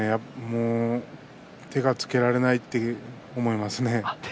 手がつけられないというふうに思いますね。